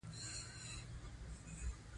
مورغاب سیند د افغانستان یوه طبیعي ځانګړتیا ده.